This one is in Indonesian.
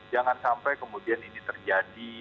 jangan sampai kemudian ini terjadi